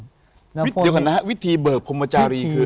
เดี๋ยวก่อนนะฮะวิธีเบิกพรหมจารี